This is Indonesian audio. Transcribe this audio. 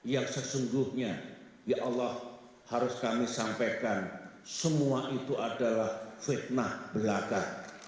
yang sesungguhnya ya allah harus kami sampaikan semua itu adalah fitnah belaka